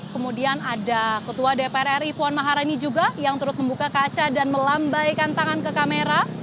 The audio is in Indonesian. kemudian ada ketua dpr ri puan maharani juga yang terus membuka kaca dan melambaikan tangan ke kamera